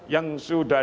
tiga belas yang sudah